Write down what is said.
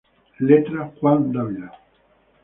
Letra: Juan Dávila.